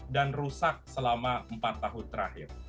dan rusak selama empat tahun terakhir